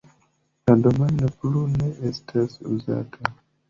La domajno plu ne estas uzata.